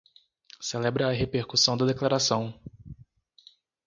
Celebra a repercussão da declaração